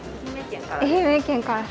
愛媛県から。